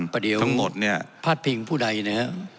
ประเดียวพาดพิงผู้ใดนะครับ